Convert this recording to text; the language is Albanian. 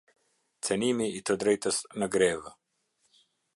Cenimi i të drejtës në grevë.